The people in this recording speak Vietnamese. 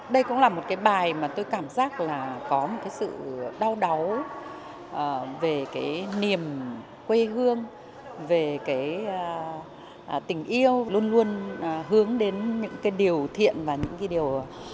đây cũng là một cái bài mà tôi cảm giác là có một cái sự đau đáu về cái niềm quê hương về cái tình yêu luôn luôn hướng đến những cái điều thiện và những cái điều